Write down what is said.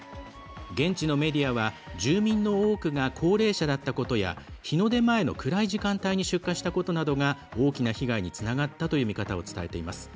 現地のメディアは住民の多くが高齢者だったことや日の出前の暗い時間帯に出火したことなどが大きな被害につながったという見方を伝えています。